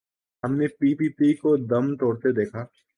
ہم نے P P P کو دم توڑتے دیکھا۔